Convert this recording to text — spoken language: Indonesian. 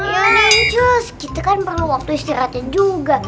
yaudah nenjus kita kan perlu waktu istirahatnya juga